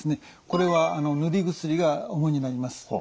これは塗り薬が主になります。